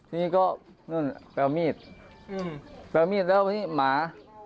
นี่ก็นั่นแปลว่ามีดแปลว่ามีดแล้วนี่หมา